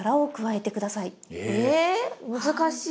ええ難しい。